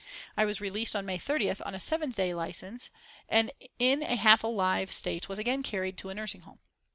I was released on May 30th on a seven days' licence, and in a half alive state was again carried to a nursing home.